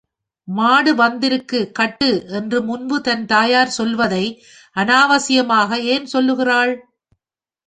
மாடு வந்திருக்கு கட்டு என்று முன்பு தன் தாயார் சொல்லுவதை அனாவசியமாக ஏன் சொல்லுகிறாள்?